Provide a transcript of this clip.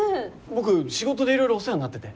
僕仕事でいろいろお世話になってて。